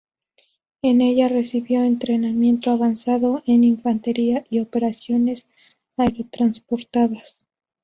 En ella recibió entrenamiento avanzado en infantería y operaciones aerotransportadas.